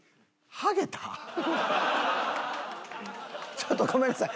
ちょっとごめんなさい。